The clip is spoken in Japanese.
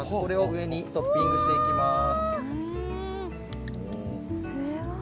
上にトッピングしていきます。